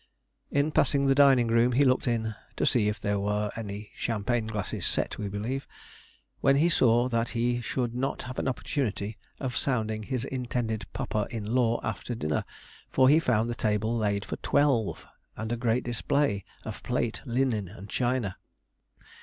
In passing the dining room he looked in (to see if there were any champaign glasses set, we believe), when he saw that he should not have an opportunity of sounding his intended papa in law after dinner, for he found the table laid for twelve, and a great display of plate, linen, and china.